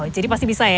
jadi pasti bisa ya